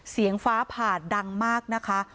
เสียงฟ้าผ่าดังมากนะคะ